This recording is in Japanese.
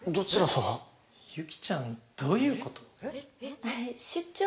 ユキちゃんどういうこと？